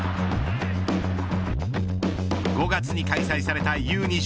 ５月に開催されたＵ‐２０